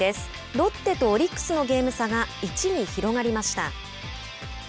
ロッテとオリックスのゲーム差が１に広がりました。